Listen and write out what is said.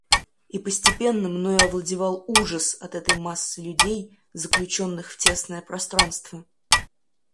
И постепенно мною овладевал ужас от этой массы людей, заключенных в тесное пространство.